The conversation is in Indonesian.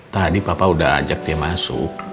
tadi papa udah ajak dia masuk